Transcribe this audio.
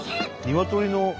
ニワトリの。